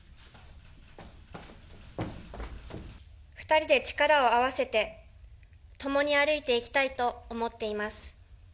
２人で力を合わせて共に歩いていきたいと思っています。